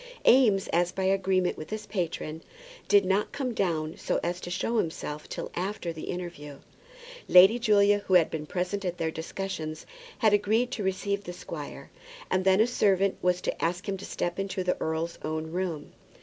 Eames, as by agreement with his patron, did not come down so as to show himself till after the interview. Lady Julia, who had been present at their discussions, had agreed to receive the squire; and then a servant was to ask him to step into the earl's own room.